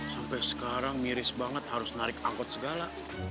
sampai sekarang miris banget harus narik angkot segala